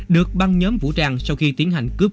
được băng nhóm vũ trang sau khi tiến hành cướp